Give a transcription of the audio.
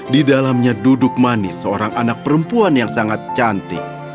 di dalamnya duduk manis seorang anak perempuan yang sangat cantik